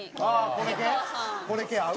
これ系合う？